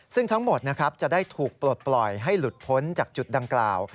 ซึ่งทั้งหมดนะครับจะได้ถูกปลดปล่อยให้หลุดพ้นจากจุดดังกล่าว